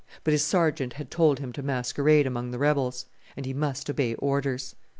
But his Sergeant had told him to masquerade among the rebels; and he must obey orders.